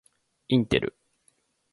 インテル